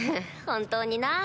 本当にな。